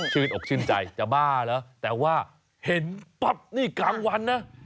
นอกชื่นใจจะบ้าเหรอแต่ว่าเห็นปั๊บนี่กลางวันนะ